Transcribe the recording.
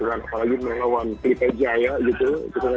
apalagi melawan felipe jaya gitu kita nggak bisa sembarangan